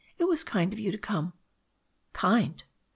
"It was kind of you to come." Kind!